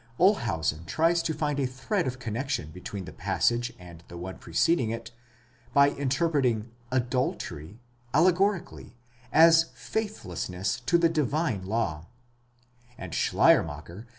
Olshausen tries to find a thread of connexion between the passage and tlie one preceding it, by interpreting adultery, μοιχεύειν, allegorically, as faith lessness to the divine law; and Schleiermacher!